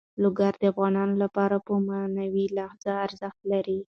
لوگر د افغانانو لپاره په معنوي لحاظ ارزښت لري.